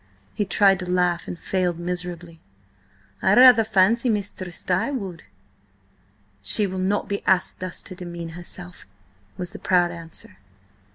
He tried to laugh and failed miserably. "I rather fancy Mistress Di would." "She will not be asked thus to demean herself," was the proud answer.